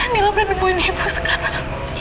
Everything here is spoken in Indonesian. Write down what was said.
nila berdemoni ibu sekarang